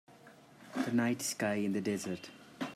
The night sky in the desert.